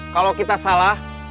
kalau kita salah